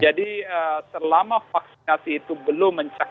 jadi selama vaksinasi itu belum mencapai